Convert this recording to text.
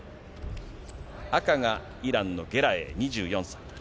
赤がイランのゲラエイ２４歳。